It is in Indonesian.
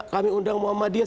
kami undang muhammadiyah